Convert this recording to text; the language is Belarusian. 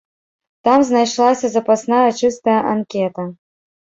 Там знайшлася запасная чыстая анкета.